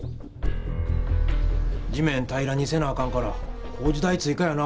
地面平らにせなあかんから工事代追かやな！